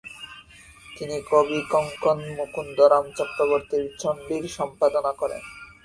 তিনি কবিকঙ্কণ মুকুন্দরাম চক্রবর্তীর 'চণ্ডী'র সম্পাদনা করেন।